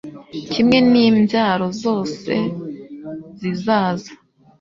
kimwe n’imbyaro zose zizaza